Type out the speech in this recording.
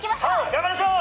頑張りましょう！